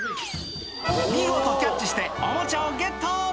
見事キャッチしておもちゃをゲット！